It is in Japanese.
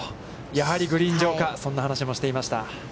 やはりグリーン上か、そんな話もしていました。